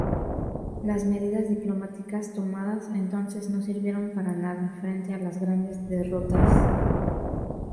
Las medidas diplomáticas tomadas entonces no sirvieron para nada, frente a las grandes derrotas.